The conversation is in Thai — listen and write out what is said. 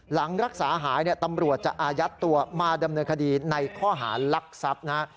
หลังรักษาหายตำรวจจะอายัดตัวมาดำเนินคดีในข้อหารักทรัพย์นะฮะ